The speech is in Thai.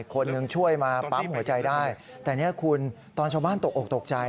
คนหนึ่งช่วยมาปั๊มหัวใจได้แต่เนี่ยคุณตอนชาวบ้านตกออกตกใจ